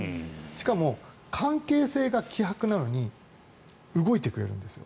しかも、関係性が希薄なのに動いてくれるんですよ。